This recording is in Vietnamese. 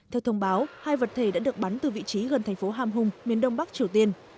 theo thông báo hai vật thể đã được bắn từ vị trí gần thành phố ham hung miền đông bắc triều tiên